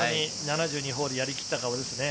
７２ホールやりきった顔ですね。